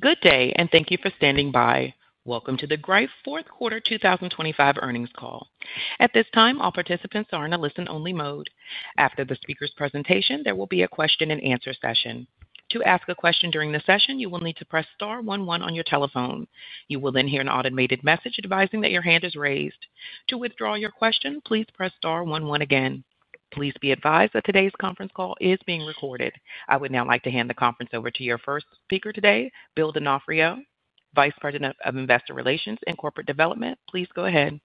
Good day, and thank you for standing by. Welcome to the Greif fourth quarter 2025 earnings call. At this time, all participants are in a listen-only mode. After the speaker's presentation, there will be a question-and-answer session. To ask a question during the session, you will need to press *11 on your telephone. You will then hear an automated message advising that your hand is raised. To withdraw your question, please press *11 again. Please be advised that today's conference call is being recorded. I would now like to hand the conference over to your first speaker today, Bill D'Onofrio, Vice President of Investor Relations and Corporate Development. Please go ahead.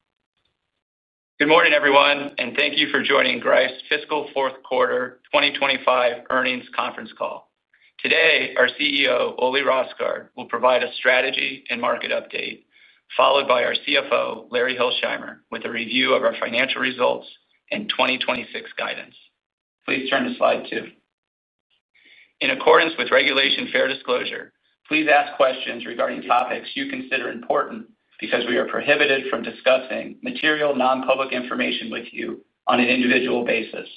Good morning, everyone, and thank you for joining Greif's fiscal fourth quarter 2025 earnings conference call. Today, our CEO, Ole Rosgaard, will provide a strategy and market update, followed by our CFO, Larry Hilsheimer, with a review of our financial results and 2026 guidance. Please turn to slide two. In accordance with regulation fair disclosure, please ask questions regarding topics you consider important because we are prohibited from discussing material non-public information with you on an individual basis.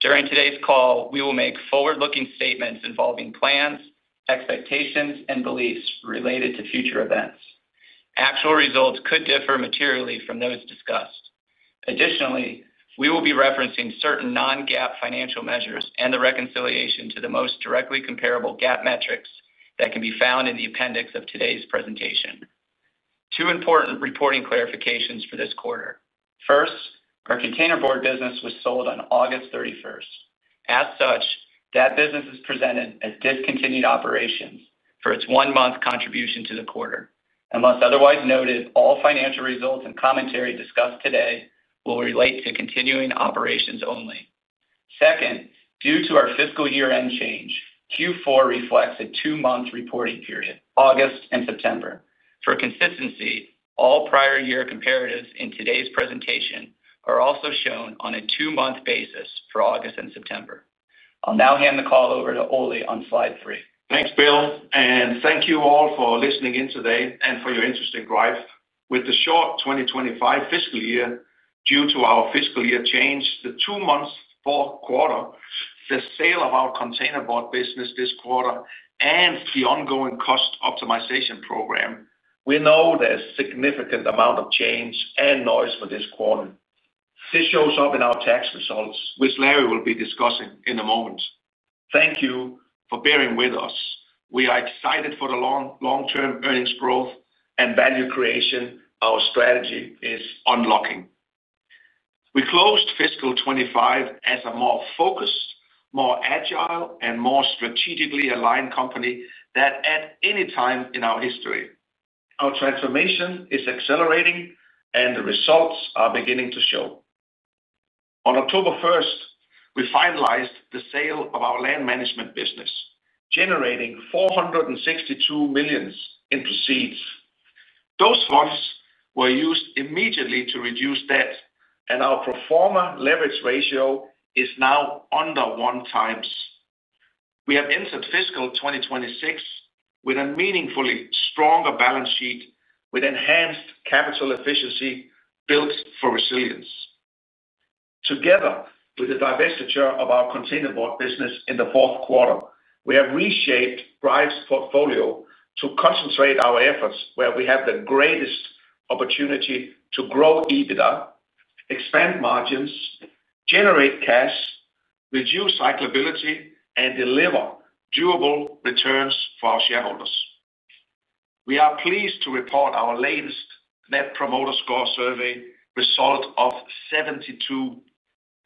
During today's call, we will make forward-looking statements involving plans, expectations, and beliefs related to future events. Actual results could differ materially from those discussed. Additionally, we will be referencing certain non-GAAP financial measures and the reconciliation to the most directly comparable GAAP metrics that can be found in the appendix of today's presentation. Two important reporting clarifications for this quarter. First, our container board business was sold on August 31. As such, that business is presented as discontinued operations for its one-month contribution to the quarter. Unless otherwise noted, all financial results and commentary discussed today will relate to continuing operations only. Second, due to our fiscal year-end change, Q4 reflects a two-month reporting period, August and September. For consistency, all prior year comparatives in today's presentation are also shown on a two-month basis for August and September. I'll now hand the call over to Ole on slide three. Thanks, Bill, and thank you all for listening in today and for your interest in Greif. With the short 2025 fiscal year due to our fiscal year change, the two-month fourth quarter, the sale of our containerboard business this quarter, and the ongoing cost optimization program, we know there's a significant amount of change and noise for this quarter. This shows up in our tax results, which Larry will be discussing in a moment. Thank you for bearing with us. We are excited for the long-term earnings growth and value creation. Our strategy is unlocking. We closed fiscal 2025 as a more focused, more agile, and more strategically aligned company than at any time in our history. Our transformation is accelerating, and the results are beginning to show. On October 1, we finalized the sale of our land management business, generating $462 million in proceeds. Those funds were used immediately to reduce debt, and our pro forma leverage ratio is now under 1.0 times. We have entered fiscal 2026 with a meaningfully stronger balance sheet, with enhanced capital efficiency built for resilience. Together with the divestiture of our containerboard business in the fourth quarter, we have reshaped Greif's portfolio to concentrate our efforts where we have the greatest opportunity to grow EBITDA, expand margins, generate cash, reduce cyclability, and deliver durable returns for our shareholders. We are pleased to report our latest Net Promoter Score survey result of 72.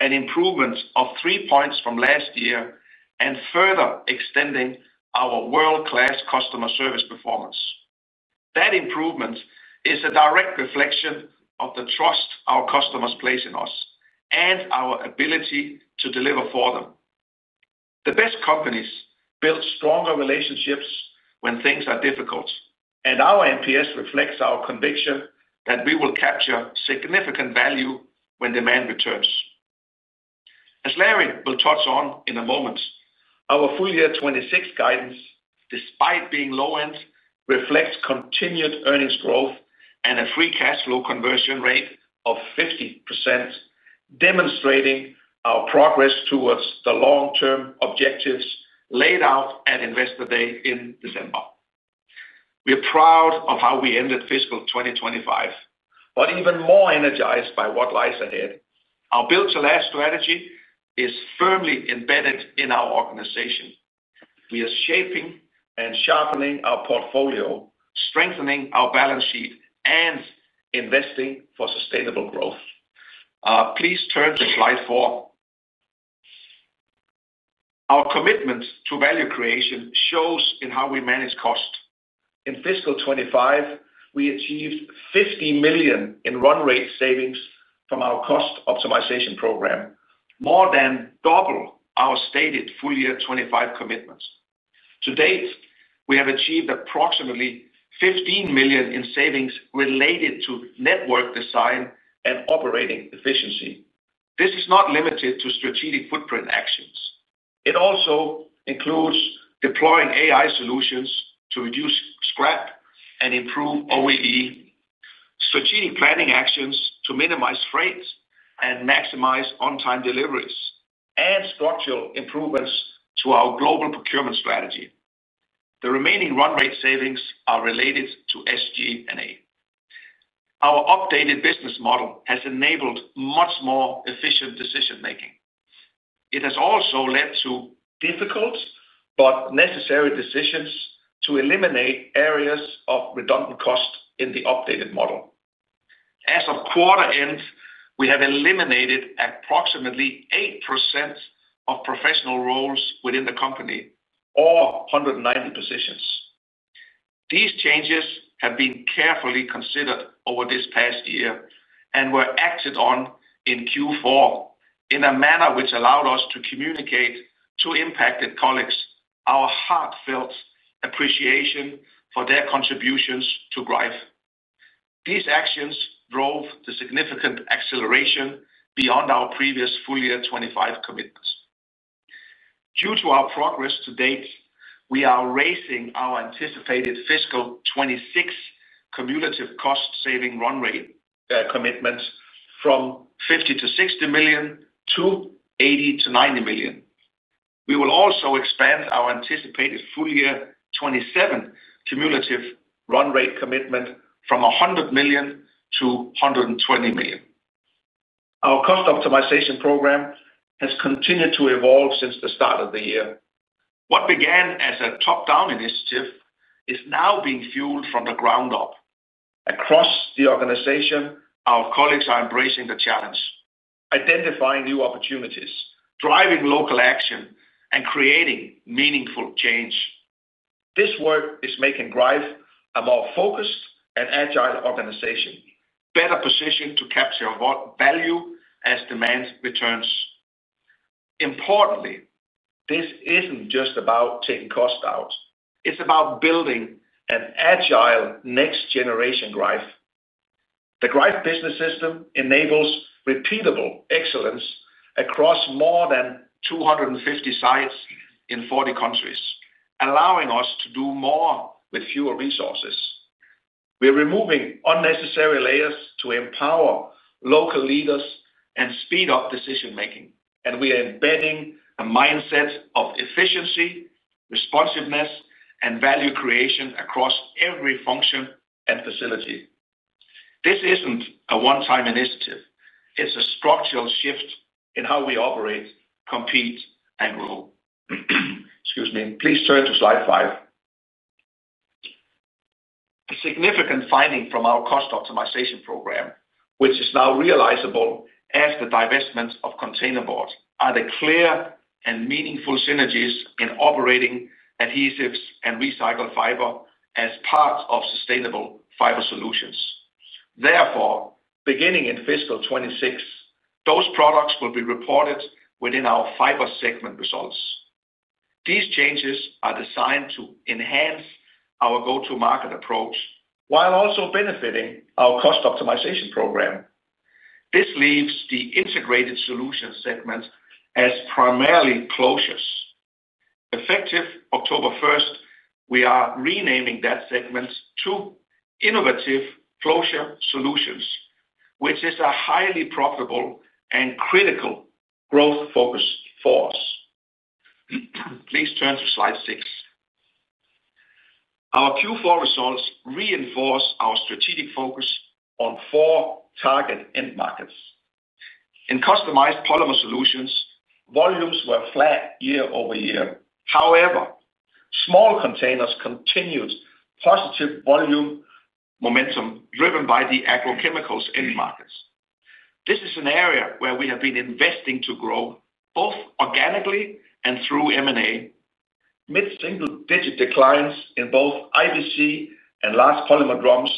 An improvement of 3 points from last year and further extending our world-class customer service performance. That improvement is a direct reflection of the trust our customers place in us and our ability to deliver for them. The best companies build stronger relationships when things are difficult, and our NPS reflects our conviction that we will capture significant value when demand returns. As Larry will touch on in a moment, our full year 2026 guidance, despite being low-end, reflects continued earnings growth and a free cash flow conversion rate of 50%. Demonstrating our progress towards the long-term objectives laid out at Investor Day in December. We are proud of how we ended fiscal 2025, but even more energized by what lies ahead. Our Build to Last strategy is firmly embedded in our organization. We are shaping and sharpening our portfolio, strengthening our balance sheet, and investing for sustainable growth. Please turn to slide four. Our commitment to value creation shows in how we manage cost. In fiscal 2025, we achieved $50 million in run rate savings from our cost optimization program. More than double our stated full year 2025 commitments. To date, we have achieved approximately $15 million in savings related to network design and operating efficiency. This is not limited to strategic footprint actions. It also includes deploying AI solutions to reduce scrap and improve OEE. Strategic planning actions to minimize freight and maximize on-time deliveries, and structural improvements to our global procurement strategy. The remaining run rate savings are related to SG&A. Our updated business model has enabled much more efficient decision-making. It has also led to difficult but necessary decisions to eliminate areas of redundant cost in the updated model. As of quarter end, we have eliminated approximately 8% of professional roles within the company, or 190 positions. These changes have been carefully considered over this past year and were acted on in Q4 in a manner which allowed us to communicate to impacted colleagues our heartfelt appreciation for their contributions to Greif. These actions drove the significant acceleration beyond our previous full year 2025 commitments. Due to our progress to date, we are raising our anticipated fiscal 2026 cumulative cost-saving run rate commitment from $50 million-$60 million to $80 million-$90 million. We will also expand our anticipated full year 2027 cumulative run rate commitment from $100 million to $120 million. Our cost optimization program has continued to evolve since the start of the year. What began as a top-down initiative is now being fueled from the ground up. Across the organization, our colleagues are embracing the challenge, identifying new opportunities, driving local action, and creating meaningful change. This work is making Greif a more focused and agile organization, better positioned to capture value as demand returns. Importantly, this isn't just about taking cost out. It's about building an agile next-generation Greif. The Greif business system enables repeatable excellence across more than 250 sites in 40 countries, allowing us to do more with fewer resources. We are removing unnecessary layers to empower local leaders and speed up decision-making, and we are embedding a mindset of efficiency, responsiveness, and value creation across every function and facility. This isn't a one-time initiative. It's a structural shift in how we operate, compete, and grow. Excuse me. Please turn to slide five. A significant finding from our cost optimization program, which is now realizable as the divestment of container board, are the clear and meaningful synergies in operating adhesives and recycled fiber as part of sustainable fiber solutions. Therefore, beginning in fiscal 2026, those products will be reported within our fiber segment results. These changes are designed to enhance our go-to-market approach while also benefiting our cost optimization program. This leaves the integrated solution segment as primarily closures. Effective October 1, we are renaming that segment to Innovative Closure Solutions, which is a highly profitable and critical growth focus for us. Please turn to slide six. Our Q4 results reinforce our strategic focus on four target end markets. In customized polymer solutions, volumes were flat year over year. However, small containers continued positive volume momentum driven by the agrochemicals end markets. This is an area where we have been investing to grow both organically and through M&A. Mid-single-digit declines in both IBC and large polymer drums,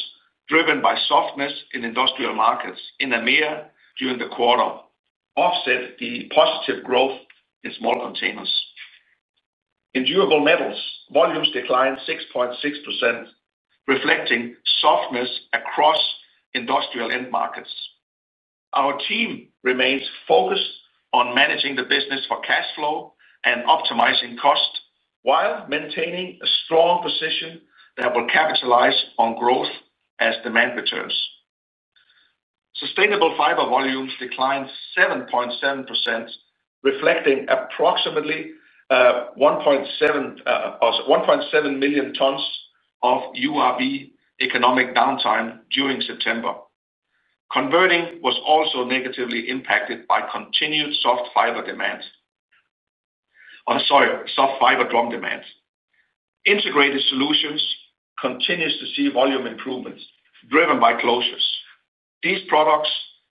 driven by softness in industrial markets in EMEA during the quarter, offset the positive growth in small containers. In durable metals, volumes declined 6.6%, reflecting softness across industrial end markets. Our team remains focused on managing the business for cash flow and optimizing cost while maintaining a strong position that will capitalize on growth as demand returns. Sustainable fiber volumes declined 7.7%, reflecting approximately 1.7 million tons of URB economic downtime during September. Converting was also negatively impacted by continued soft fiber drum demand. Integrated solutions continue to see volume improvements driven by closures. These products,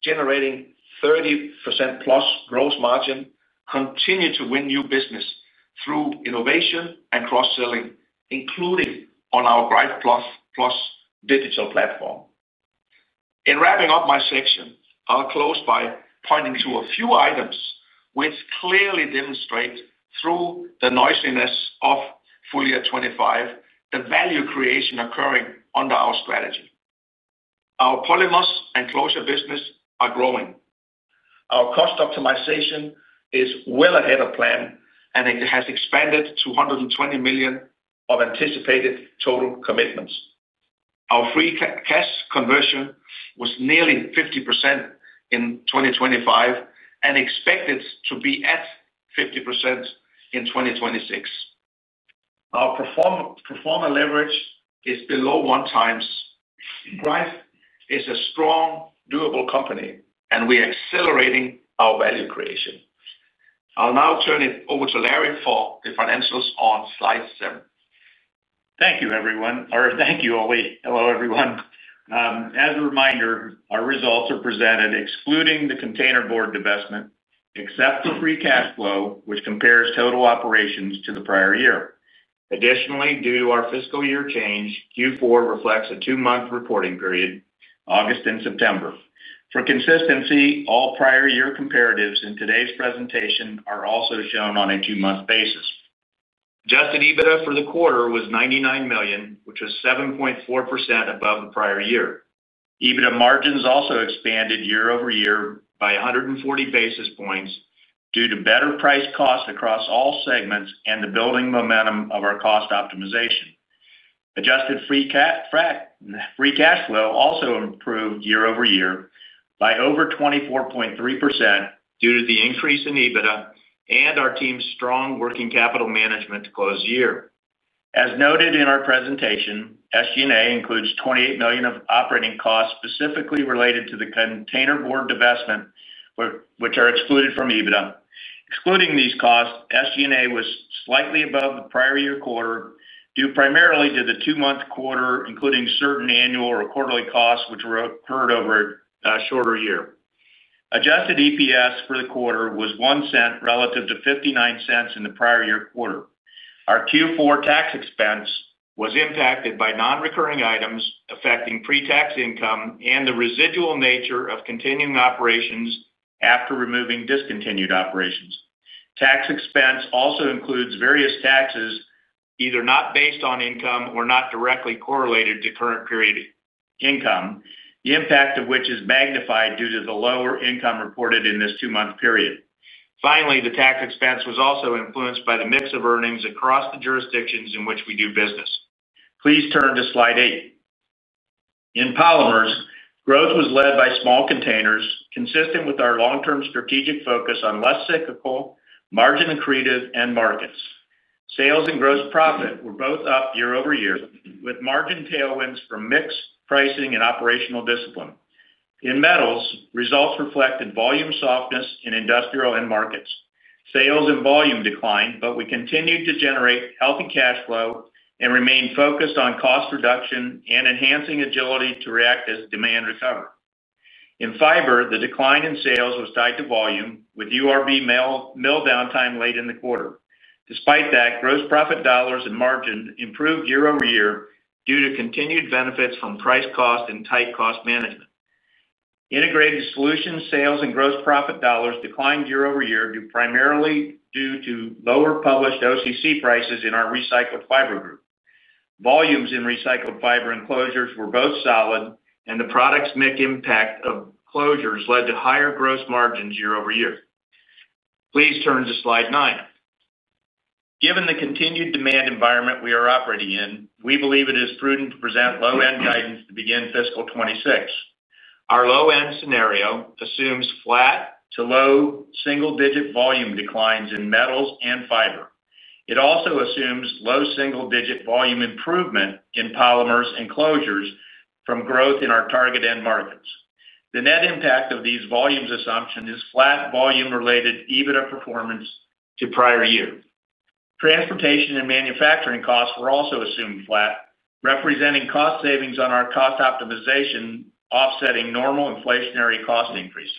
generating 30%+ gross margin, continue to win new business through innovation and cross-selling, including on our Greif Plus digital platform. In wrapping up my section, I'll close by pointing to a few items which clearly demonstrate through the noisiness of full year 2025 the value creation occurring under our strategy. Our polymers and closure business are growing. Our cost optimization is well ahead of plan, and it has expanded to $120 million of anticipated total commitments. Our free cash conversion was nearly 50% in 2025 and expected to be at 50% in 2026. Our pro forma leverage is below one times. Greif is a strong, durable company, and we are accelerating our value creation. I'll now turn it over to Larry for the financials on slide seven. Thank you, everyone. Or thank you, Ole. Hello, everyone. As a reminder, our results are presented excluding the container board divestment, except for free cash flow, which compares total operations to the prior year. Additionally, due to our fiscal year change, Q4 reflects a two-month reporting period, August and September. For consistency, all prior year comparatives in today's presentation are also shown on a two-month basis. Adjusted EBITDA for the quarter was $99 million, which was 7.4% above the prior year. EBITDA margins also expanded year over year by 140 basis points due to better price cost across all segments and the building momentum of our cost optimization. Adjusted free cash flow also improved year over year by over 24.3% due to the increase in EBITDA and our team's strong working capital management to close the year. As noted in our presentation, SG&A includes $28 million of operating costs specifically related to the container board divestment, which are excluded from EBITDA. Excluding these costs, SG&A was slightly above the prior year quarter due primarily to the two-month quarter, including certain annual or quarterly costs which were occurred over a shorter year. Adjusted EPS for the quarter was $0.01 relative to $0.59 in the prior year quarter. Our Q4 tax expense was impacted by non-recurring items affecting pre-tax income and the residual nature of continuing operations after removing discontinued operations. Tax expense also includes various taxes either not based on income or not directly correlated to current period income, the impact of which is magnified due to the lower income reported in this two-month period. Finally, the tax expense was also influenced by the mix of earnings across the jurisdictions in which we do business. Please turn to slide eight. In polymers, growth was led by small containers, consistent with our long-term strategic focus on less cyclical, margin accretive end markets. Sales and gross profit were both up year over year, with margin tailwinds from mixed pricing and operational discipline. In metals, results reflected volume softness in industrial end markets. Sales and volume declined, but we continued to generate healthy cash flow and remained focused on cost reduction and enhancing agility to react as demand recovered. In fiber, the decline in sales was tied to volume, with URB mill downtime late in the quarter. Despite that, gross profit dollars and margin improved year over year due to continued benefits from price cost and tight cost management. Integrated solution sales and gross profit dollars declined year over year primarily due to lower published OCC prices in our recycled fiber group. Volumes in recycled fiber and closures were both solid, and the product's MIC impact of closures led to higher gross margins year over year. Please turn to slide nine. Given the continued demand environment we are operating in, we believe it is prudent to present low-end guidance to begin fiscal 2026. Our low-end scenario assumes flat to low single-digit volume declines in metals and fiber. It also assumes low single-digit volume improvement in polymers and closures from growth in our target end markets. The net impact of these volumes assumptions is flat volume-related EBITDA performance to prior year. Transportation and manufacturing costs were also assumed flat, representing cost savings on our cost optimization, offsetting normal inflationary cost increases.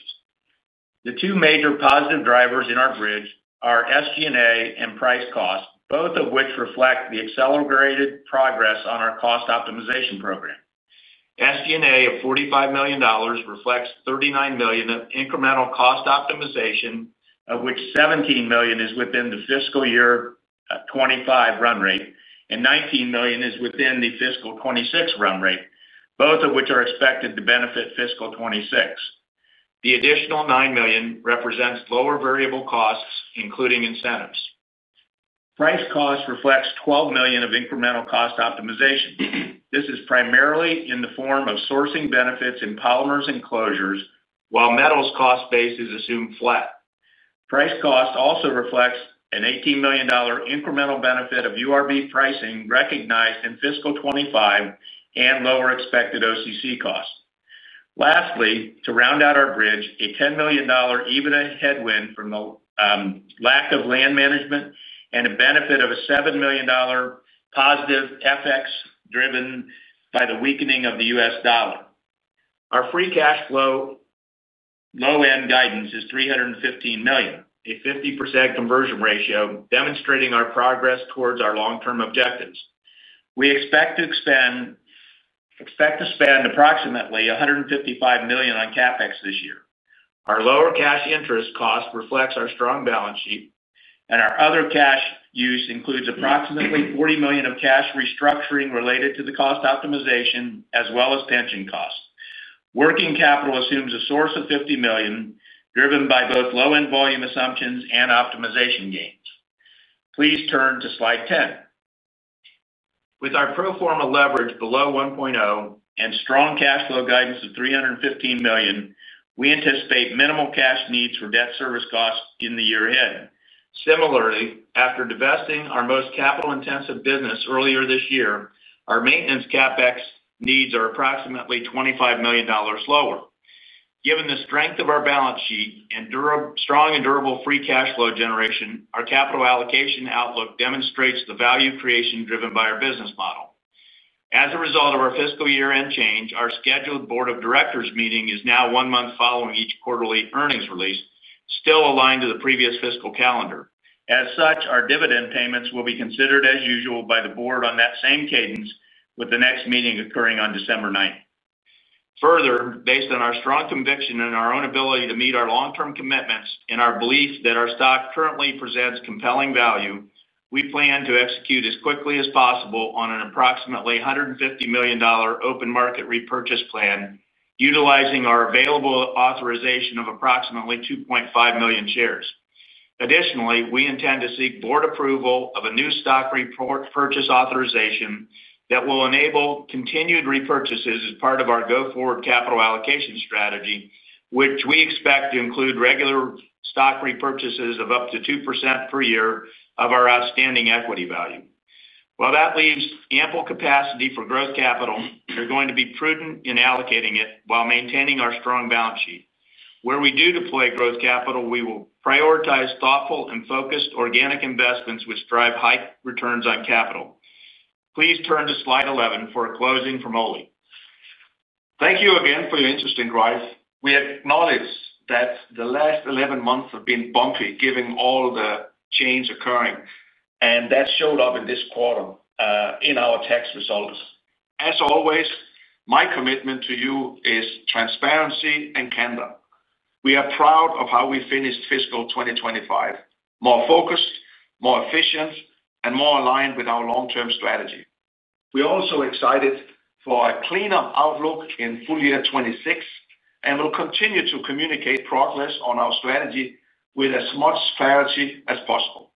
The two major positive drivers in our grid are SG&A and price cost, both of which reflect the accelerated progress on our cost optimization program. SG&A of $45 million reflects $39 million of incremental cost optimization, of which $17 million is within the fiscal year 2025 run rate and $19 million is within the fiscal 2026 run rate, both of which are expected to benefit fiscal 2026. The additional $9 million represents lower variable costs, including incentives. Price cost reflects $12 million of incremental cost optimization. This is primarily in the form of sourcing benefits in polymers and closures, while metals cost base is assumed flat. Price cost also reflects an $18 million incremental benefit of URB pricing recognized in fiscal 2025 and lower expected OCC cost. Lastly, to round out our grid, a $10 million EBITDA headwind from the lack of land management and a benefit of $7 million. Positive FX driven by the weakening of the US dollar. Our free cash flow. Low-end guidance is $315 million, a 50% conversion ratio demonstrating our progress towards our long-term objectives. We expect to spend approximately $155 million on CapEx this year. Our lower cash interest cost reflects our strong balance sheet, and our other cash use includes approximately $40 million of cash restructuring related to the cost optimization, as well as pension cost. Working capital assumes a source of $50 million, driven by both low-end volume assumptions and optimization gains. Please turn to slide 10. With our pro forma leverage below 1.0 and strong cash flow guidance of $315 million, we anticipate minimal cash needs for debt service costs in the year ahead. Similarly, after divesting our most capital-intensive business earlier this year, our maintenance CapEx needs are approximately $25 million lower. Given the strength of our balance sheet and strong and durable free cash flow generation, our capital allocation outlook demonstrates the value creation driven by our business model. As a result of our fiscal year-end change, our scheduled board of directors meeting is now one month following each quarterly earnings release, still aligned to the previous fiscal calendar. As such, our dividend payments will be considered as usual by the board on that same cadence, with the next meeting occurring on December 9. Further, based on our strong conviction in our own ability to meet our long-term commitments and our belief that our stock currently presents compelling value, we plan to execute as quickly as possible on an approximately $150 million open market repurchase plan, utilizing our available authorization of approximately 2.5 million shares. Additionally, we intend to seek board approval of a new stock repurchase authorization that will enable continued repurchases as part of our go-forward capital allocation strategy, which we expect to include regular stock repurchases of up to 2% per year of our outstanding equity value. While that leaves ample capacity for growth capital, we are going to be prudent in allocating it while maintaining our strong balance sheet. Where we do deploy growth capital, we will prioritize thoughtful and focused organic investments, which drive high returns on capital. Please turn to slide 11 for a closing from Ole. Thank you again for your interest in Greif. We acknowledge that the last 11 months have been bumpy given all the change occurring, and that showed up in this quarter in our tax results. As always, my commitment to you is transparency and candor. We are proud of how we finished fiscal 2025: more focused, more efficient, and more aligned with our long-term strategy. We are also excited for a cleaner outlook in full year 2026 and will continue to communicate progress on our strategy with as much clarity as possible.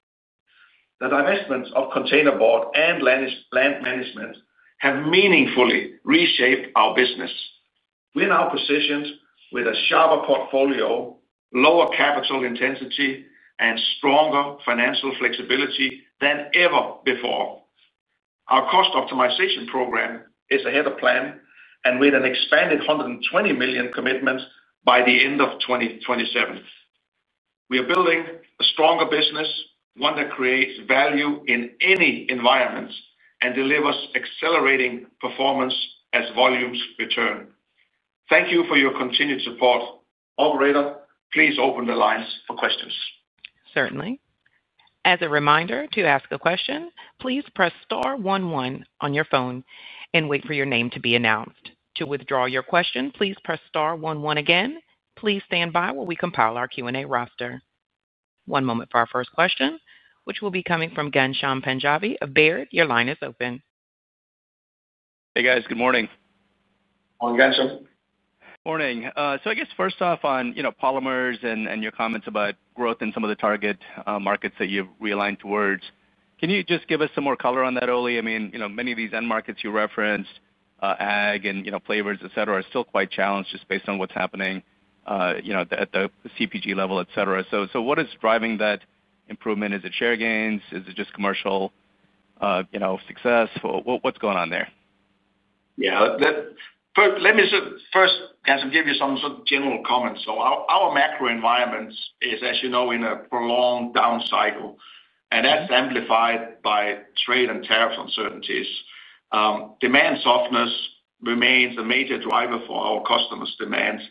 The divestments of container board and land management have meaningfully reshaped our business. We are now positioned with a sharper portfolio, lower capital intensity, and stronger financial flexibility than ever before. Our cost optimization program is ahead of plan and with an expanded $120 million commitment by the end of 2027. We are building a stronger business, one that creates value in any environment and delivers accelerating performance as volumes return. Thank you for your continued support. Operator, please open the lines for questions. Certainly. As a reminder to ask a question, please press *11 on your phone and wait for your name to be announced. To withdraw your question, please press *11 again. Please stand by while we compile our Q&A roster. One moment for our first question, which will be coming from Ghansham Panjabi of Baird. Your line is open. Hey, guys. Good morning. Morning, Ghansham. Morning. I guess first off on polymers and your comments about growth and some of the target markets that you've realigned towards, can you just give us some more color on that, Ole? I mean, many of these end markets you referenced, ag and flavors, etc., are still quite challenged just based on what's happening. At the CPG level, etc. What is driving that improvement? Is it share gains? Is it just commercial success? What's going on there? Yeah. Let me first, Gansham, give you some sort of general comments. Our macro environment is, as you know, in a prolonged down cycle, and that's amplified by trade and tariff uncertainties. Demand softness remains a major driver for our customers' demands.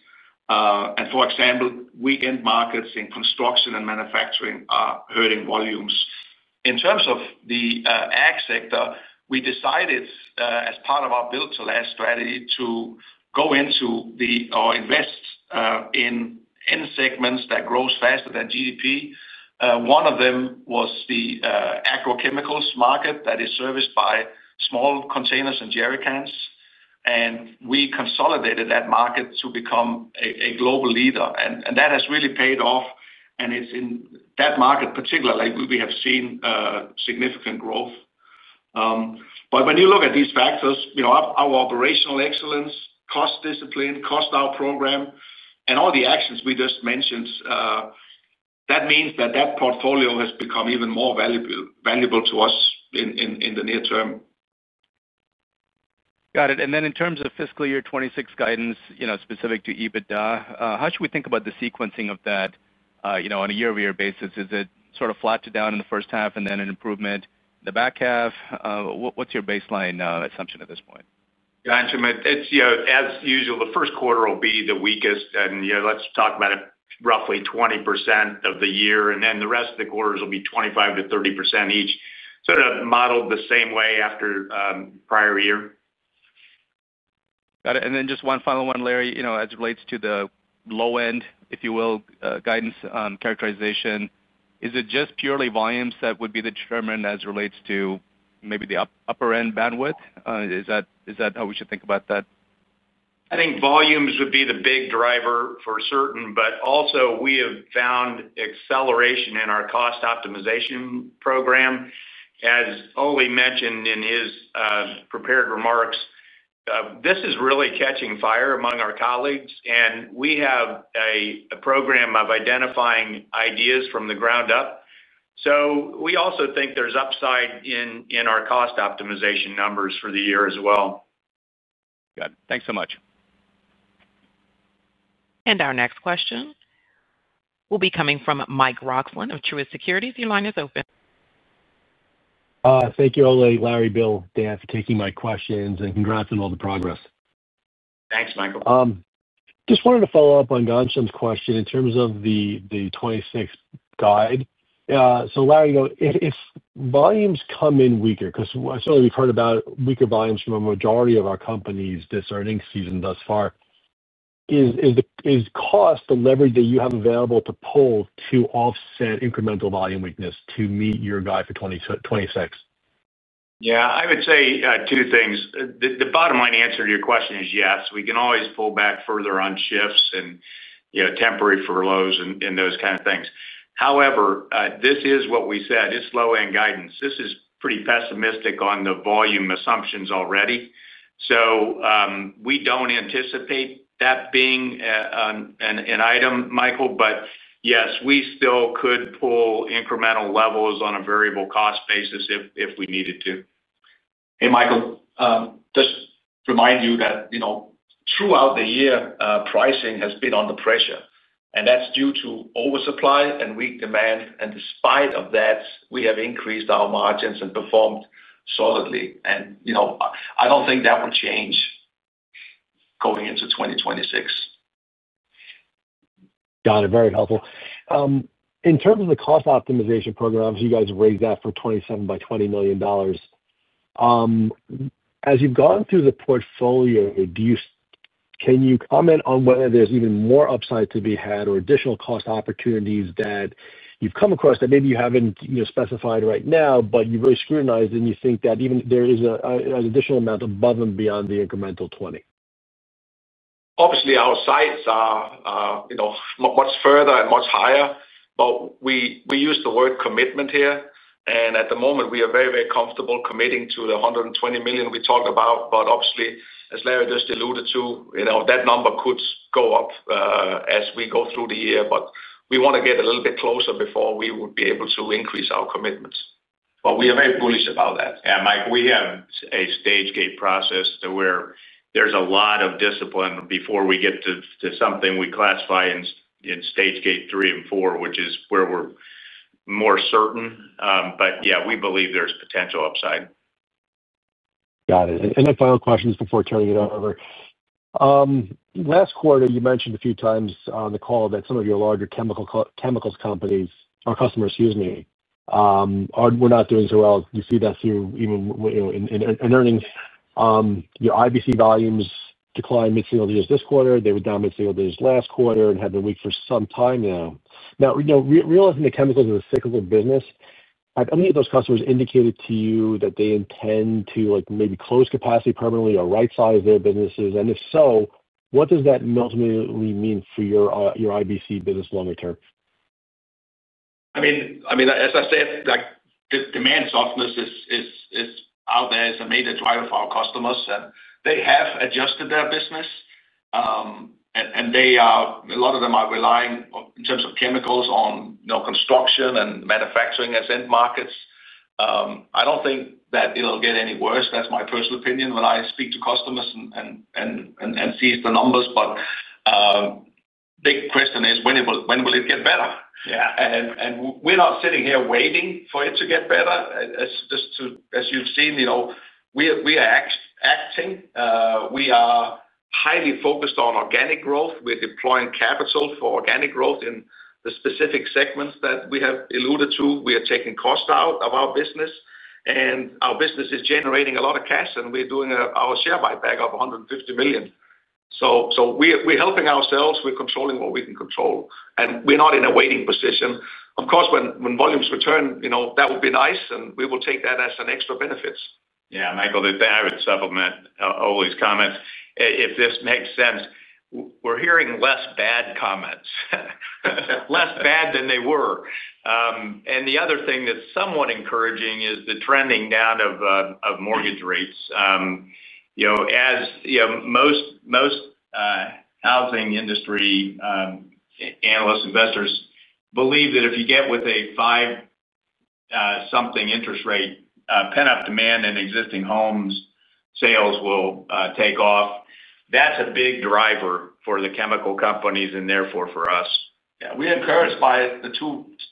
For example, weak end markets in construction and manufacturing are hurting volumes. In terms of the ag sector, we decided, as part of our build-to-last strategy, to go into or invest in end segments that grow faster than GDP. One of them was the agrochemicals market that is serviced by small containers and jerrycans, and we consolidated that market to become a global leader. That has really paid off, and it is in that market particularly we have seen significant growth. When you look at these factors, our operational excellence, cost discipline, cost out program, and all the actions we just mentioned. That means that portfolio has become even more valuable to us in the near term. Got it. In terms of fiscal year 2026 guidance, specific to EBITDA, how should we think about the sequencing of that on a year-over-year basis? Is it sort of flat to down in the first half and then an improvement in the back half? What is your baseline assumption at this point? Ghansham, as usual, the first quarter will be the weakest, and let's talk about it, roughly 20% of the year, and then the rest of the quarters will be 25%-30% each, sort of modeled the same way after. Prior year. Got it. And then just one final one, Larry, as it relates to the low-end, if you will, guidance characterization, is it just purely volumes that would be determined as it relates to maybe the upper-end bandwidth? Is that how we should think about that? I think volumes would be the big driver for certain, but also we have found acceleration in our cost optimization program. As Ole mentioned in his prepared remarks, this is really catching fire among our colleagues, and we have a program of identifying ideas from the ground up. We also think there is upside in our cost optimization numbers for the year as well. Got it. Thanks so much. Our next question will be coming from Mike Roxland of Truist Securities. Your line is open. Thank you, Ole, Larry, Bill, Dan, for taking my questions and congrats on all the progress. Thanks, Michael. Just wanted to follow up on Ghansham's question in terms of the '26 guide. Larry, if volumes come in weaker, because certainly we've heard about weaker volumes from a majority of our companies this earnings season thus far, is cost the leverage that you have available to pull to offset incremental volume weakness to meet your guide for '26? Yeah, I would say two things. The bottom-line answer to your question is yes. We can always pull back further on shifts and temporary furloughs and those kinds of things. However, this is what we said. It is low-end guidance. This is pretty pessimistic on the volume assumptions already. We do not anticipate that being an item, Michael, but yes, we still could pull incremental levels on a variable cost basis if we needed to. Hey, Michael. Just to remind you that throughout the year, pricing has been under pressure, and that is due to oversupply and weak demand. Despite that, we have increased our margins and performed solidly. I do not think that will change going into 2026. Got it. Very helpful. In terms of the cost optimization program, as you guys have raised that for $27 by $20 million. As you've gone through the portfolio, can you comment on whether there's even more upside to be had or additional cost opportunities that you've come across that maybe you haven't specified right now, but you've really scrutinized and you think that even there is an additional amount above and beyond the incremental $20 million? Obviously, our sights are much further and much higher, but we use the word commitment here. At the moment, we are very, very comfortable committing to the $120 million we talked about. Obviously, as Larry just alluded to, that number could go up as we go through the year. We want to get a little bit closer before we would be able to increase our commitments. We are very bullish about that. Yeah, Mike, we have a stage gate process where there is a lot of discipline before we get to something we classify in stage gate three and four, which is where we are more certain. Yeah, we believe there is potential upside. Got it. Then final questions before turning it over. Last quarter, you mentioned a few times on the call that some of your larger chemicals companies, our customers, excuse me, are not doing so well. You see that through even in earnings. Your IBC volumes declined mid-single digits this quarter. They were down mid-single digits last quarter and have been weak for some time now. Now, realizing that chemicals is a cyclical business, have any of those customers indicated to you that they intend to maybe close capacity permanently or right-size their businesses? If so, what does that ultimately mean for your IBC business longer term? I mean, as I said. Demand softness is out there as a major driver for our customers. They have adjusted their business. A lot of them are relying, in terms of chemicals, on construction and manufacturing as end markets. I do not think that it will get any worse. That is my personal opinion when I speak to customers and see the numbers. The big question is, when will it get better? We are not sitting here waiting for it to get better. As you have seen. We are acting. We are highly focused on organic growth. We are deploying capital for organic growth in the specific segments that we have alluded to. We are taking cost out of our business. Our business is generating a lot of cash, and we are doing our share buyback of $150 million. We are helping ourselves. We are controlling what we can control. We're not in a waiting position. Of course, when volumes return, that would be nice, and we will take that as an extra benefit. Yeah, Michael, I would supplement Ole's comments. If this makes sense, we're hearing less bad comments. Less bad than they were. The other thing that's somewhat encouraging is the trending down of mortgage rates. As most housing industry analysts, investors believe that if you get with a five-something interest rate, pent-up demand in existing home sales will take off. That's a big driver for the chemical companies and therefore for us. Yeah, we're encouraged by the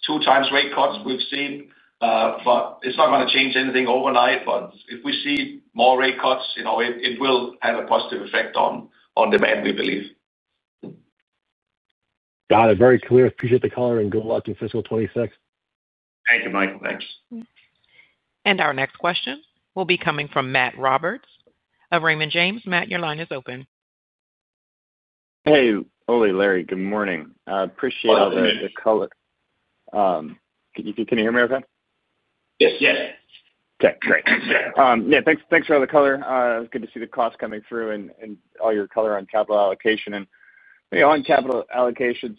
two-times rate cuts we've seen. It's not going to change anything overnight. If we see more rate cuts, it will have a positive effect on demand, we believe. Got it. Very clear. Appreciate the color and good luck in fiscal 2026. Thank you, Michael. Thanks. Our next question will be coming from Matt Roberts of Raymond James. Matt, your line is open. Hey, Ole, Larry, good morning. Appreciate the color. Good morning. Can you hear me okay? Yes. Yes. Okay. Great. Yeah, thanks for the color. It's good to see the cost coming through and all your color on capital allocation and on capital allocation.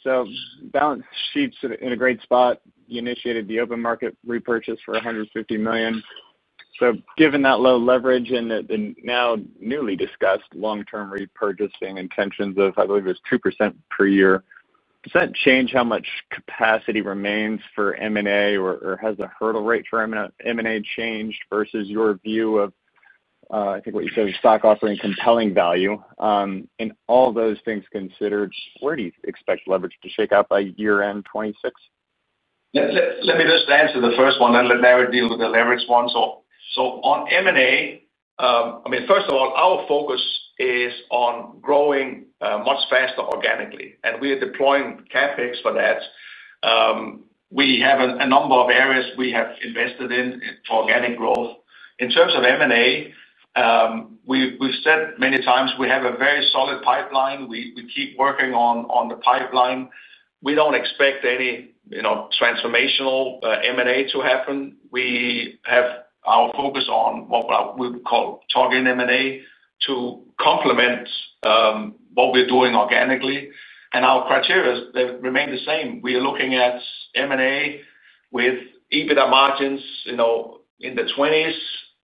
Balance sheet's in a great spot. You initiated the open market repurchase for $150 million. Given that low leverage and the now newly discussed long-term repurchasing intentions of, I believe it was 2% per year, does that change how much capacity remains for M&A or has the hurdle rate for M&A changed versus your view of, I think what you said was stock offering compelling value? All those things considered, where do you expect leverage to shake out by year-end 2026? Let me just answer the first one, and then Larry will deal with the leverage one. On M&A, I mean, first of all, our focus is on growing much faster organically. We are deploying CapEx for that. We have a number of areas we have invested in for organic growth. In terms of M&A, we've said many times we have a very solid pipeline. We keep working on the pipeline. We don't expect any transformational M&A to happen. We have our focus on what we call target M&A to complement what we're doing organically. Our criteria, they remain the same. We are looking at M&A with EBITDA margins in the 20s,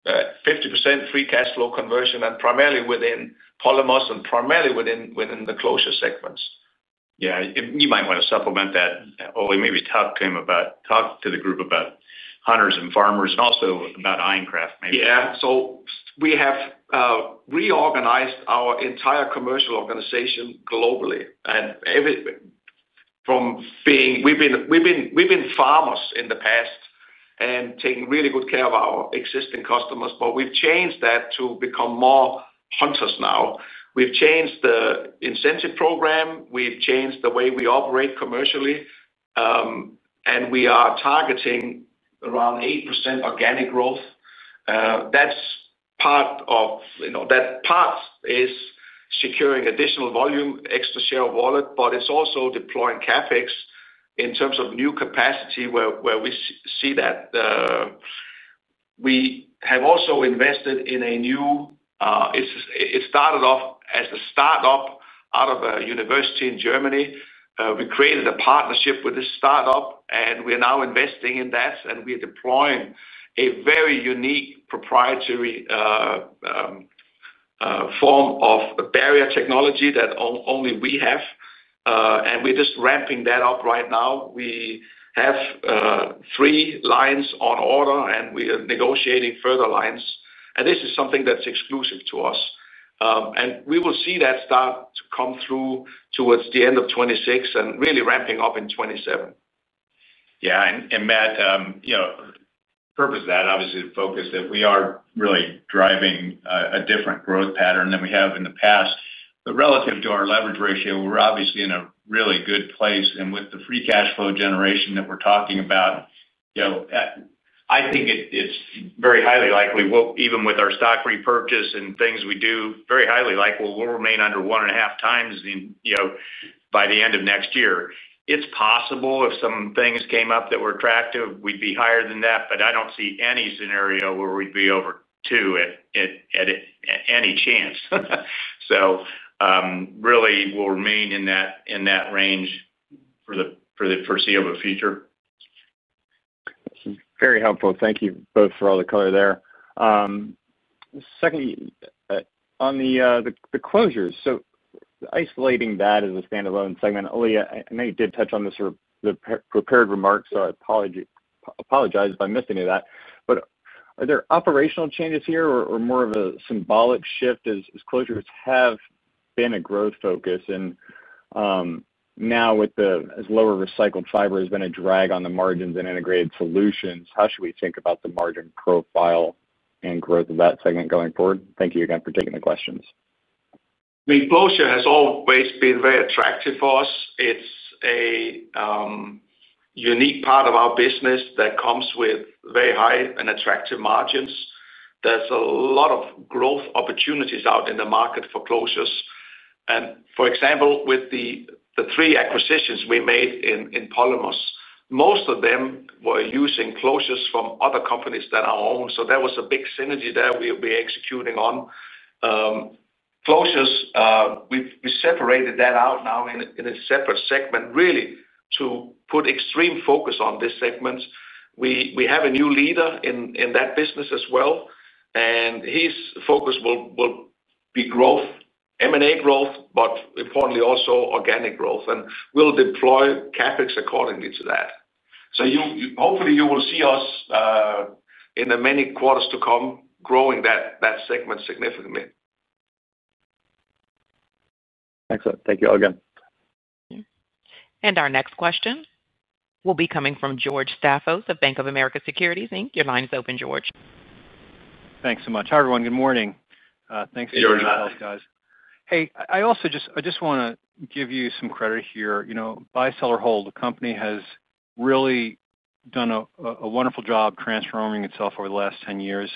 50% free cash flow conversion, and primarily within polymers and primarily within the closure segments. Yeah. You might want to supplement that. Ole, maybe talk to the group about hunters and farmers and also about IonKraft, maybe. Yeah. We have reorganized our entire commercial organization globally. From being, we've been farmers in the past and taking really good care of our existing customers, but we've changed that to become more hunters now. We've changed the incentive program. We've changed the way we operate commercially. We are targeting around 8% organic growth. That part is securing additional volume, extra share of wallet, but it's also deploying CapEx in terms of new capacity where we see that. We have also invested in a new, it started off as a startup out of a university in Germany. We created a partnership with this startup, and we are now investing in that, and we are deploying a very unique proprietary form of barrier technology that only we have. We're just ramping that up right now. We have three lines on order, and we are negotiating further lines. This is something that's exclusive to us. We will see that start to come through towards the end of 2026 and really ramping up in 2027. Yeah. Matt, purpose of that, obviously, the focus that we are really driving a different growth pattern than we have in the past. Relative to our leverage ratio, we're obviously in a really good place. With the free cash flow generation that we're talking about, I think it's very highly likely, even with our stock repurchase and things we do, very highly likely we'll remain under one and a half times by the end of next year. It's possible if some things came up that were attractive, we'd be higher than that, but I don't see any scenario where we'd be over two at any chance. Really, we'll remain in that range for the foreseeable future. Very helpful. Thank you both for all the color there. Second on the closures, so isolating that as a standalone segment, Ole, I know you did touch on this prepared remark, so I apologize if I missed any of that. Are there operational changes here or more of a symbolic shift as closures have been a growth focus? Now with as lower recycled fiber has been a drag on the margins and integrated solutions, how should we think about the margin profile and growth of that segment going forward? Thank you again for taking the questions. I mean closure has always been very attractive for us. It's a unique part of our business that comes with very high and attractive margins. There's a lot of growth opportunities out in the market for closures. For example, with the three acquisitions we made in polymers, most of them were using closures from other companies than our own. There was a big synergy there we were executing on. Closures, we separated that out now in a separate segment, really, to put extreme focus on this segment. We have a new leader in that business as well. His focus will be growth, M&A growth, but importantly, also organic growth. We will deploy CapEx accordingly to that. Hopefully, you will see us in the many quarters to come growing that segment significantly. Excellent. Thank you all again. Our next question will be coming from George Staphos of Bank of America Securities. Your line is open, George. Thanks so much. Hi, everyone. Good morning. Thanks for joining us, guys. Hey, I just want to give you some credit here. Buy Sell or Hold, the company has really done a wonderful job transforming itself over the last 10 years.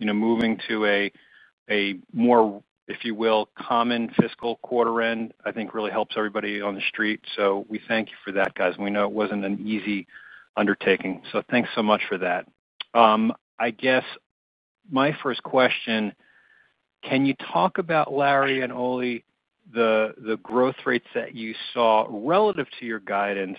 Moving to a more, if you will, common fiscal quarter end, I think, really helps everybody on the street. We thank you for that, guys. We know it was not an easy undertaking. Thanks so much for that. I guess my first question, can you talk about, Larry and Ole, the growth rates that you saw relative to your guidance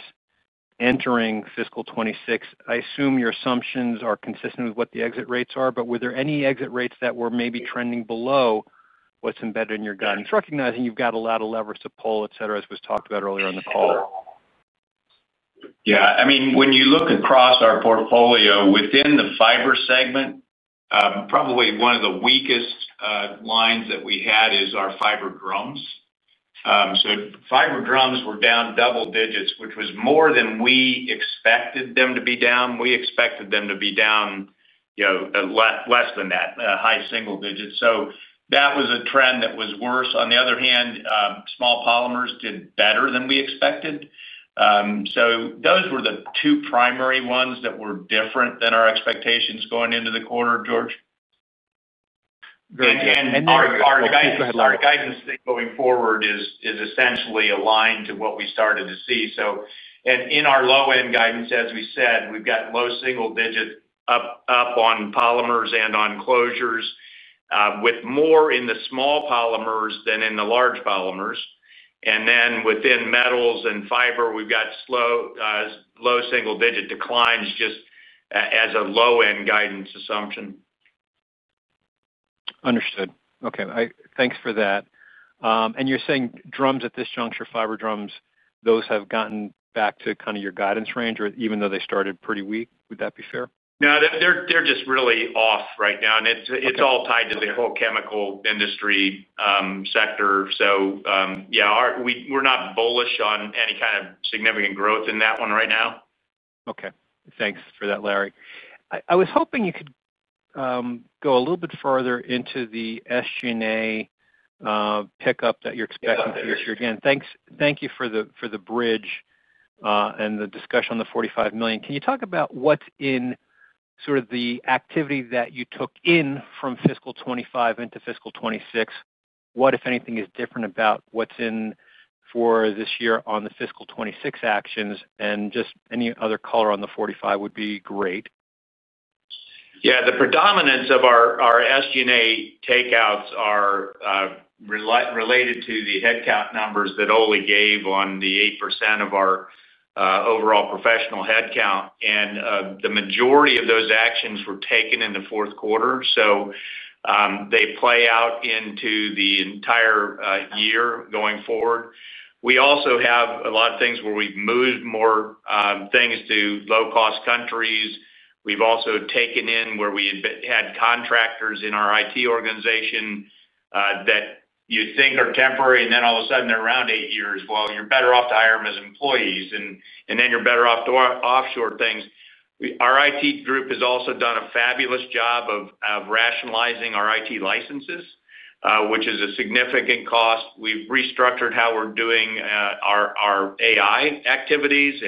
entering fiscal 2026? I assume your assumptions are consistent with what the exit rates are, but were there any exit rates that were maybe trending below what is embedded in your guidance, recognizing you have got a lot of levers to pull, etc., as was talked about earlier on the call? Yeah. I mean, when you look across our portfolio within the fiber segment. Probably one of the weakest lines that we had is our fiber drums. So fiber drums were down double digits, which was more than we expected them to be down. We expected them to be down less than that, high single digits. That was a trend that was worse. On the other hand, small polymers did better than we expected. Those were the two primary ones that were different than our expectations going into the quarter, George. Our guidance going forward is essentially aligned to what we started to see. In our low-end guidance, as we said, we have got low single digit up on polymers and on closures, with more in the small polymers than in the large polymers. Within metals and fiber, we have got slow, low single digit declines just as a low-end guidance assumption. Understood. Okay. Thanks for that. You're saying drums at this juncture, fiber drums, those have gotten back to kind of your guidance range, or even though they started pretty weak, would that be fair? No, they're just really off right now. It is all tied to the whole chemical industry sector. Yeah, we're not bullish on any kind of significant growth in that one right now. Okay. Thanks for that, Larry. I was hoping you could go a little bit further into the SG&A pickup that you're expecting for this year. Again, thank you for the bridge and the discussion on the $45 million. Can you talk about what's in sort of the activity that you took in from fiscal 2025 into fiscal 2026? What, if anything, is different about what's in for this year on the fiscal 2026 actions? Just any other color on the $45 million would be great. Yeah. The predominance of our SG&A takeouts are related to the headcount numbers that Ole gave on the 8% of our overall professional headcount. The majority of those actions were taken in the fourth quarter. They play out into the entire year going forward. We also have a lot of things where we've moved more things to low-cost countries. We've also taken in where we had contractors in our IT organization that you think are temporary, and then all of a sudden they're around eight years. You're better off to hire them as employees, and then you're better off to offshore things. Our IT group has also done a fabulous job of rationalizing our IT licenses, which is a significant cost. We've restructured how we're doing our AI activities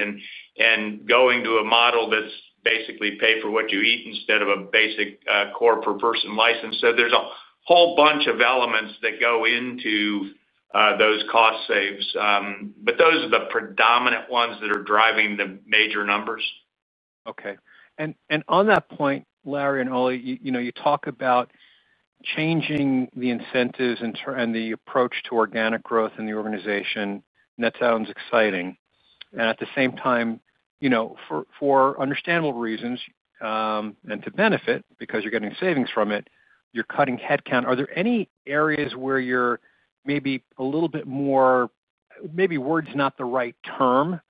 and going to a model that's basically pay for what you eat instead of a basic core per person license. There is a whole bunch of elements that go into those cost saves. Those are the predominant ones that are driving the major numbers. Okay. On that point, Larry and Ole, you talk about changing the incentives and the approach to organic growth in the organization. That sounds exciting. At the same time, for understandable reasons, and to benefit because you're getting savings from it, you're cutting headcount. Are there any areas where you're maybe a little bit more, maybe word's not the right term,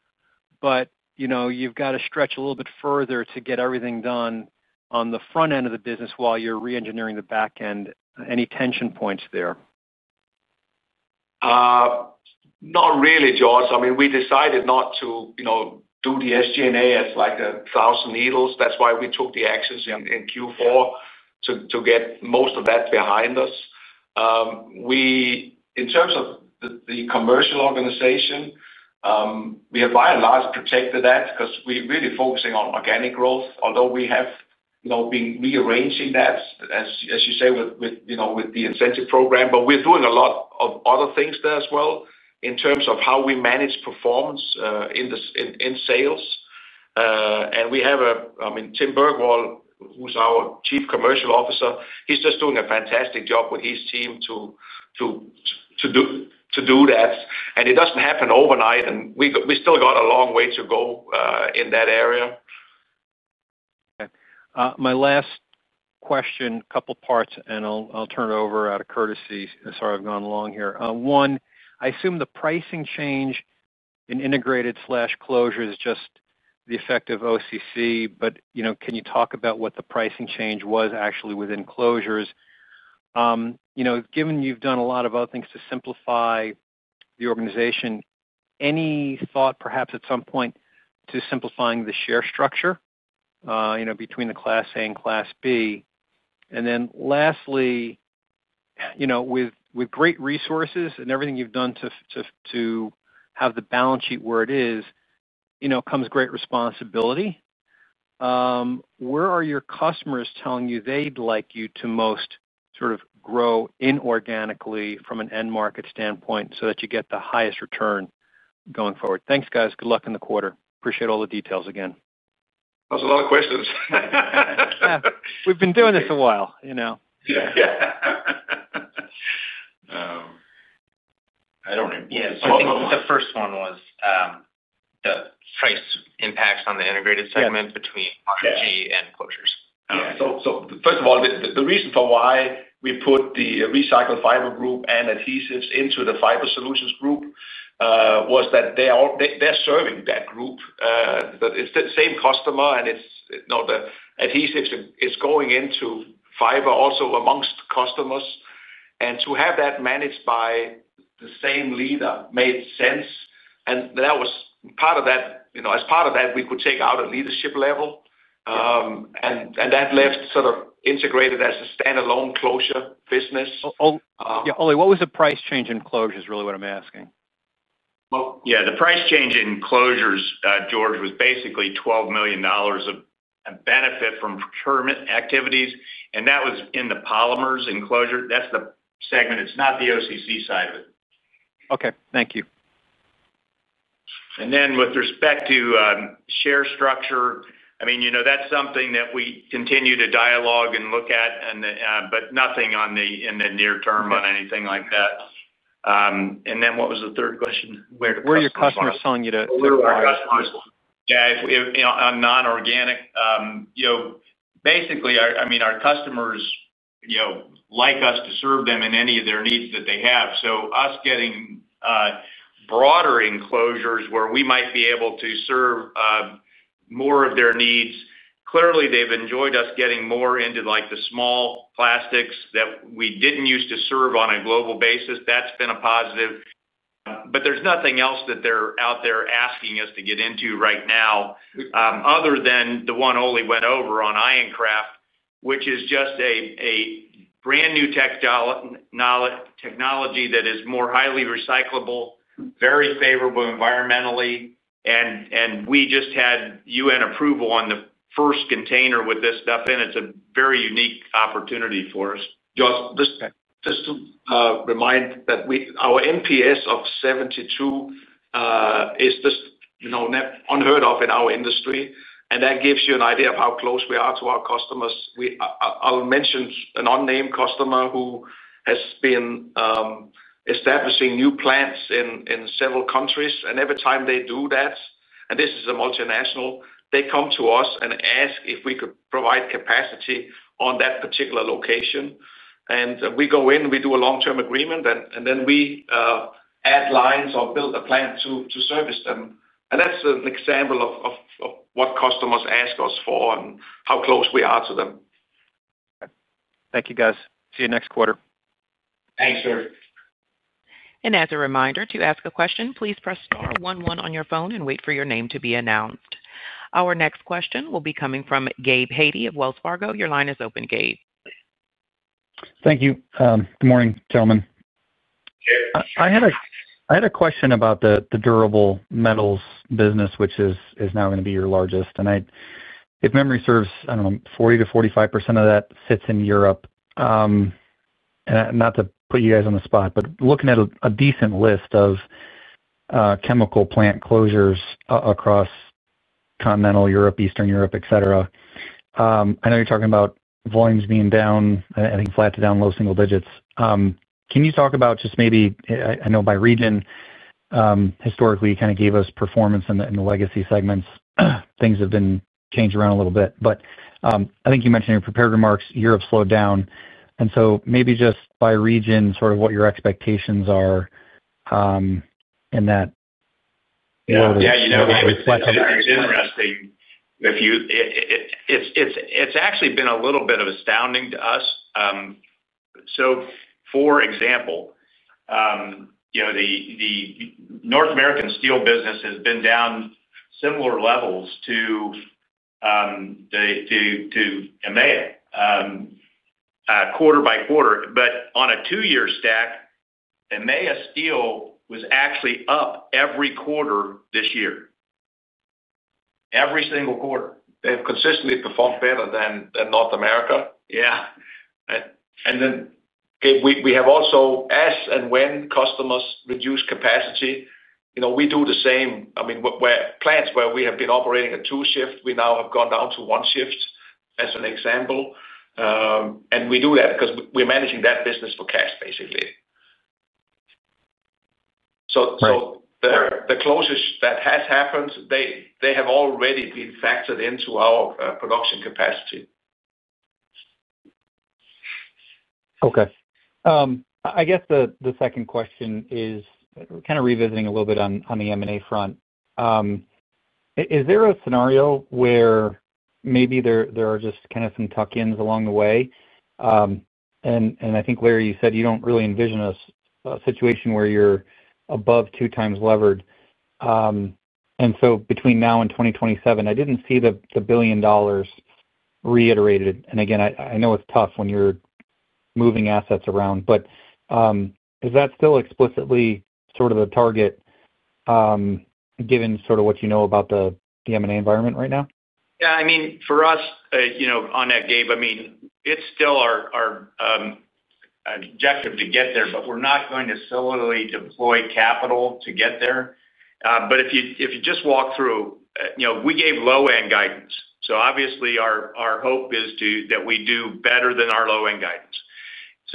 but you've got to stretch a little bit further to get everything done on the front end of the business while you're re-engineering the back end? Any tension points there? Not really, George. I mean, we decided not to do the SG&A as like a thousand needles. That's why we took the actions in Q4 to get most of that behind us. In terms of the commercial organization, we have by and large protected that because we're really focusing on organic growth, although we have been rearranging that, as you say, with the incentive program. We are doing a lot of other things there as well in terms of how we manage performance in sales. I mean, Tim Bergwall, who's our Chief Commercial Officer, he's just doing a fantastic job with his team to do that. It does not happen overnight, and we still got a long way to go in that area. Okay. My last question, a couple of parts, and I'll turn it over out of courtesy. Sorry, I've gone long here. One, I assume the pricing change in integrated/closure is just the effect of OCC, but can you talk about what the pricing change was actually within closures? Given you've done a lot of other things to simplify the organization, any thought perhaps at some point to simplifying the share structure between the Class A and Class B? And then lastly, with great resources and everything you've done to have the balance sheet where it is, comes great responsibility. Where are your customers telling you they'd like you to most sort of grow inorganically from an end market standpoint so that you get the highest return going forward? Thanks, guys. Good luck in the quarter. Appreciate all the details again. That was a lot of questions. Yeah. We've been doing this a while. Yeah. I don't remember. Yeah. I think the first one was the price impacts on the integrated segment between R&G and closures. Yeah. First of all, the reason for why we put the recycled fiber group and adhesives into the fiber solutions group was that they're serving that group. It's the same customer, and the adhesives is going into fiber also amongst customers. To have that managed by the same leader made sense. That was part of that. As part of that, we could take out a leadership level. That left sort of integrated as a standalone closure business. Ole, what was the price change in closures, really what I'm asking? Yeah, the price change in closures, George, was basically $12 million of benefit from procurement activities. And that was in the polymers and closure. That's the segment. It's not the OCC side of it. Okay. Thank you. With respect to share structure, I mean, that's something that we continue to dialogue and look at, but nothing in the near term on anything like that. What was the third question? Where are your customers telling you to? Where are our customers? Yeah. On non-organic. Basically, I mean, our customers like us to serve them in any of their needs that they have. So us getting broader in closures where we might be able to serve more of their needs. Clearly, they've enjoyed us getting more into the small plastics that we didn't used to serve on a global basis. That's been a positive. There's nothing else that they're out there asking us to get into right now other than the one Ole went over on IonKraft, which is just a brand new technology that is more highly recyclable, very favorable environmentally. We just had UN approval on the first container with this stuff in. It's a very unique opportunity for us. George, just a reminder that our NPS of 72 is just unheard of in our industry. That gives you an idea of how close we are to our customers. I'll mention an unnamed customer who has been establishing new plants in several countries. Every time they do that, and this is a multinational, they come to us and ask if we could provide capacity on that particular location. We go in, we do a long-term agreement, and then we add lines or build a plant to service them. That is an example of what customers ask us for and how close we are to them. Okay. Thank you, guys. See you next quarter. Thanks, George. As a reminder, to ask a question, please press *11 on your phone and wait for your name to be announced. Our next question will be coming from Gabe Hady of Wells Fargo. Your line is open, Gabe. Thank you. Good morning, gentlemen. I had a question about the durable metals business, which is now going to be your largest. And if memory serves, I don't know, 40-45% of that sits in Europe. Not to put you guys on the spot, but looking at a decent list of chemical plant closures across continental Europe, Eastern Europe, etc., I know you're talking about volumes being down, I think flat to down low single digits. Can you talk about just maybe, I know by region. Historically kind of gave us performance in the legacy segments, things have been changed around a little bit. I think you mentioned in your prepared remarks, Europe slowed down. Maybe just by region, sort of what your expectations are in that. Yeah. I would say that's interesting. It's actually been a little bit astounding to us. For example, the North American steel business has been down similar levels to EMEA quarter by quarter. On a two-year stack, EMEA steel was actually up every quarter this year. Every single quarter. They've consistently performed better than North America. Yeah. We have also asked, and when customers reduce capacity, we do the same. I mean, where plants where we have been operating a two-shift, we now have gone down to one shift as an example. We do that because we're managing that business for cash, basically. The closures that have happened, they have already been factored into our production capacity. Okay. I guess the second question is kind of revisiting a little bit on the M&A front. Is there a scenario where maybe there are just kind of some tuck-ins along the way? I think, Larry, you said you don't really envision a situation where you're above two times levered. Between now and 2027, I didn't see the billion dollars reiterated. Again, I know it's tough when you're moving assets around, but is that still explicitly sort of the target, given sort of what you know about the M&A environment right now? Yeah. I mean, for us, on that, Gabe, I mean, it's still our objective to get there, but we're not going to solely deploy capital to get there. If you just walk through, we gave low-end guidance. Obviously, our hope is that we do better than our low-end guidance.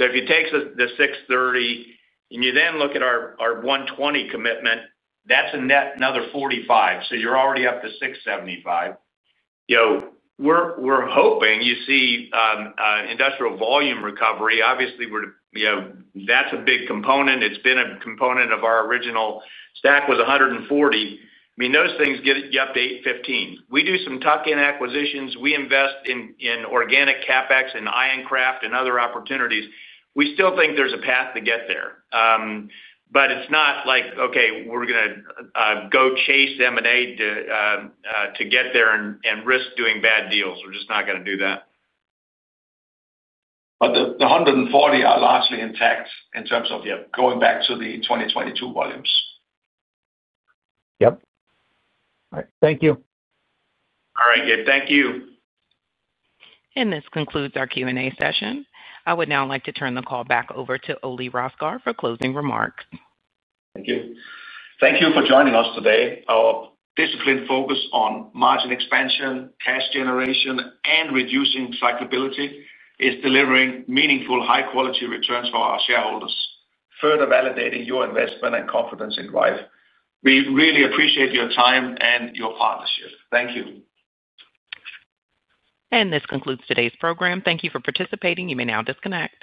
If you take the 630 and you then look at our 120 commitment, that's another 45. You're already up to 675. We're hoping you see industrial volume recovery. Obviously, that's a big component. It's been a component of our original stack was 140. I mean, those things get you up to 815. We do some tuck-in acquisitions. We invest in organic CapEx and IonKraft and other opportunities. We still think there's a path to get there. It's not like, okay, we're going to go chase M&A to get there and risk doing bad deals. We're just not going to do that. The 140 are largely intact in terms of going back to the 2022 volumes. Yep. All right. Thank you. All right, Gabe. Thank you. This concludes our Q&A session. I would now like to turn the call back over to Ole Rosgaard for closing remarks. Thank you. Thank you for joining us today. Our disciplined focus on margin expansion, cash generation, and reducing cyclability is delivering meaningful high-quality returns for our shareholders, further validating your investment and confidence in Greif. We really appreciate your time and your partnership. Thank you. This concludes today's program. Thank you for participating. You may now disconnect.